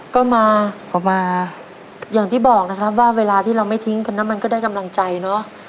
ก็มาออกมาอย่างที่บอกนะครับว่าเวลาที่เราไม่ทิ้งกันนะมันก็ได้กำลังใจเนอะ